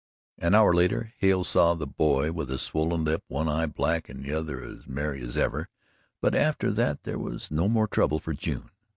An hour later Hale saw the boy with a swollen lip, one eye black and the other as merry as ever but after that there was no more trouble for June.